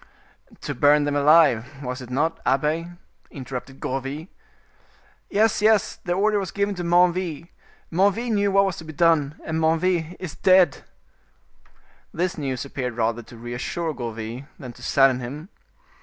"To burn them alive, was it not, abbe?" interrupted Gourville. "Yes, yes, the order was given to Menneville. Menneville knew what was to be done, and Menneville is dead." This news appeared rather to reassure Gourville than to sadden him.